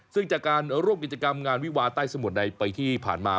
ซึ่งจากการร่วมกิจกรรมงานวิวาใต้สมุทรในปีที่ผ่านมา